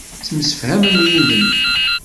Ttemsefhamen yid-m.